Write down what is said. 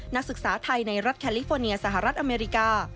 นักศึกษาไทยในรัฐแคลิฟอร์เนียสหรัฐอเมริกา